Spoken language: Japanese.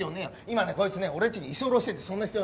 今ねこいつね俺んちに居候してるんです。